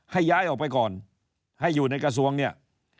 ให้ย้ายออกไปก่อนให้อยู่ในกระทรวงเนี่ย